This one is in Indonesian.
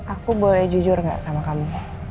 aku boleh jujur gak sama kami